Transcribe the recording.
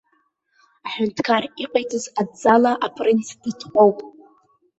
Аҳәынҭқар иҟаиҵаз адҵала апринц дытҟәоуп.